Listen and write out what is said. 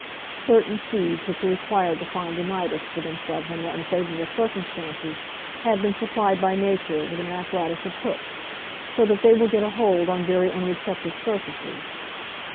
Certain seeds which are required to find a nidus for themselves under unfavourable circumstances have been supplied by nature with an apparatus of hooks, so that they will get a hold on very unreceptive surfaces.